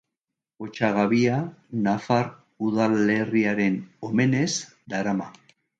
Otsagabia nafar udalerriaren omenez darama.